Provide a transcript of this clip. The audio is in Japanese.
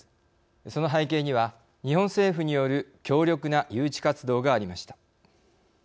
その背景には、日本政府による強力な誘致活動がありました。